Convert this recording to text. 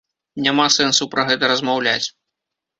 Няма сэнсу пра гэта размаўляць.